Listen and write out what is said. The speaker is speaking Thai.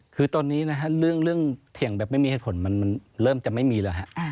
คือตอนนี้นะฮะเรื่องเถียงแบบไม่มีเหตุผลมันเริ่มจะไม่มีแล้วฮะ